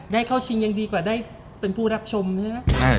เข้าชิงยังดีกว่าได้เป็นผู้รับชมใช่ไหม